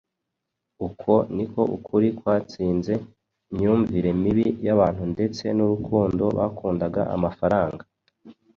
Uko niko ukuri kwatsinze imyumvire mibi y’abantu ndetse n’urukundo bakundaga amafaranga.